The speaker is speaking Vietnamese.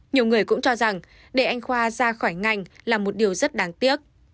nhiều người cũng cho rằng để anh khoa ra khỏi ngành là một điều rất đáng tiếc